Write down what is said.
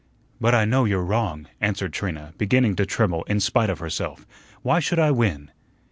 "But I know you're wrong," answered Trina, beginning to tremble in spite of herself. "Why should I win?"